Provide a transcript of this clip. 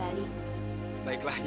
jangan tergadi berarti kang